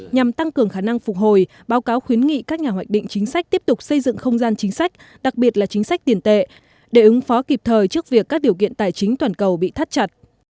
nhằm tăng cường khả năng phục hồi báo cáo khuyến nghị các nhà hoạch định chính sách tiếp tục xây dựng không gian chính sách đặc biệt là chính sách tiền tệ để ứng phó kịp thời trước việc các điều kiện tài chính toàn cầu bị thắt chặt